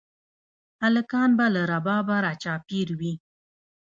هلکان به له ربابه راچاپېر وي